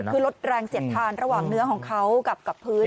คือลดแรงเสียดทานระหว่างเนื้อของเขากับพื้น